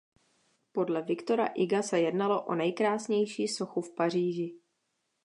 Podle Victora Huga se jednalo o nejkrásnější sochu v Paříži.